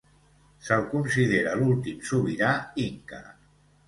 Se'l considera l'últim sobirà inca.